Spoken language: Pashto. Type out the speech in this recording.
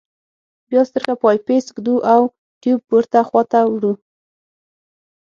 بیا سترګه په آی پیس ږدو او ټیوب پورته خواته وړو.